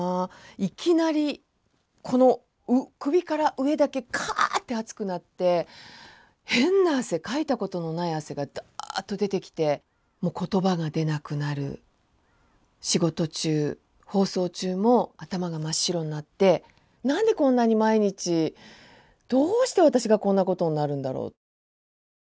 いきなりこの首から上だけカッて熱くなって変な汗かいたことのない汗がダッと出てきてもう言葉が出なくなる仕事中放送中も頭が真っ白になって何でこんなに毎日どうして私がこんなことになるんだろう。